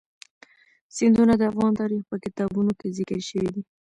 سیندونه د افغان تاریخ په کتابونو کې ذکر شوی دي.